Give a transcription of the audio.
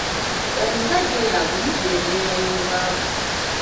Omusajja oyo agumidde embeera y'obwavu.